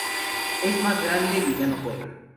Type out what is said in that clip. Es más grande y ya no juega.